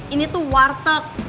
ini tuh warteg